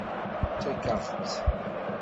Tfakk-aɣ-tt.